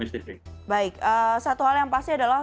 satu hal yang pasti adalah